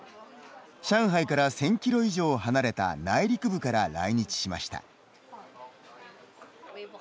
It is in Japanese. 上海から１０００キロ以上離れた内陸部から来日しました。